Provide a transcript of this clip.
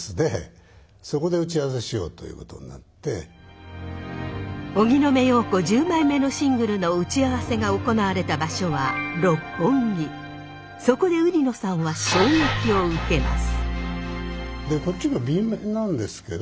ゴージャスで荻野目洋子１０枚目のシングルの打ち合わせが行われた場所はそこで売野さんは衝撃を受けます。